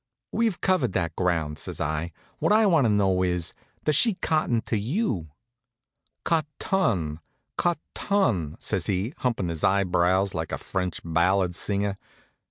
"We've covered that ground," says I. "What I want to know is, does she cotton to you?" "Cot ton? Cot ton?" says he, humpin' his eyebrows like a French ballad singer.